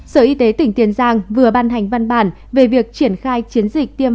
sở y tế tỉnh tiền giang vừa ban hành văn bản về việc triển khai chiến dịch tiêm